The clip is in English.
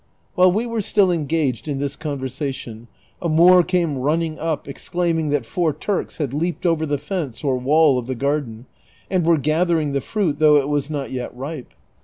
While we were still engaged in this conversation, a Moor came running up, exclaiming that four Turks had leaped over the fence or wall of the garden, and were gathering the fruit, though it was not yet ripe.